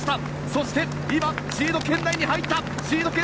そして今シード圏内に入っていった！